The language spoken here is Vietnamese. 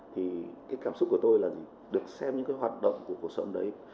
thì cái cảm xúc của tôi là được xem những cái hoạt động của cuộc sống đấy